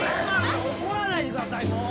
怒らないでくださいもう！